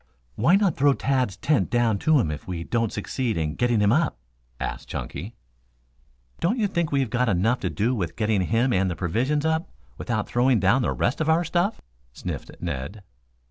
"Why not throw Tad's tent down to him if we don't succeed in getting him up?" asked Chunky. "Don't you think we've got enough to do with getting him and the provisions up, without throwing down the rest of our stuff?" sniffed Ned.